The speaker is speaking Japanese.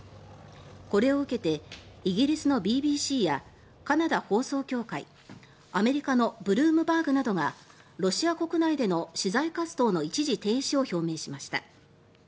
これを受けてイギリスのＢＢＣやカナダ放送協会アメリカのブルームバーグなどがロシア国内での取材活動の一時停止を表明しました。